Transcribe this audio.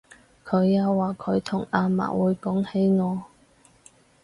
佢又話佢同阿嫲會講起我